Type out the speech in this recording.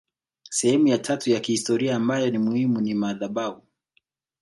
Sehemu ya tatu ya kihistoria ambayo ni muhimu ni madhabahu